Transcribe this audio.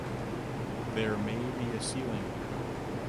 There may be a ceiling.